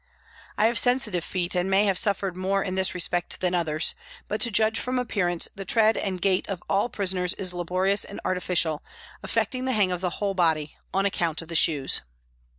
I have sensitive feet and may have suffered more in this respect than others, but to judge from appearance the tread and gait of all prisoners is laborious and artificial, affecting the hang of the whole body, on account of the shoes.